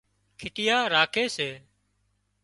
کِٽيا راکي سي